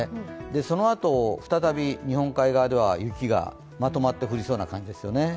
そのあと再び日本海側では雪がまとまって降りそうな感じですよね。